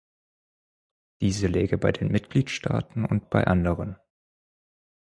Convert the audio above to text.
Diese läge bei den Mitgliedstaaten und bei anderen.